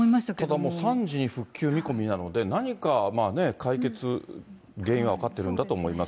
ただもう３時に復旧見込みなので、何かまあね、解決、原因は分かってるんだと思います。